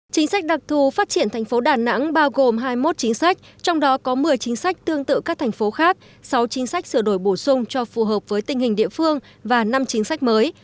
chính sách đặc thù phát triển thành phố đà nẵng bao gồm hai mươi một chính sách trong đó có một mươi chính sách tương tự các thành phố khác sáu chính sách sửa đổi bổ sung cho phù hợp với tình hình địa phương và năm chính sách mới